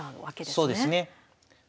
そうですね。